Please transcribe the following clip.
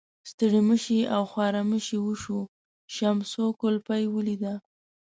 ستړي مشي او خوارمشي وشوه، شمشو کولپۍ ولیده.